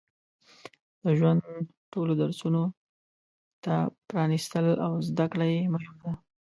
د ژوند ټولو درسونو ته پرانستل او زده کړه یې مهمه ده.